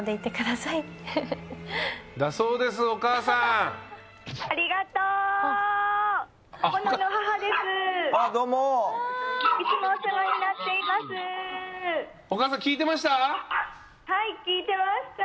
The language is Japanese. はい聞いてました。